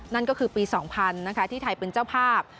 นั่นก็คือปี๒๐๐นะคะที่ไทยเป็นเจ้าภาพ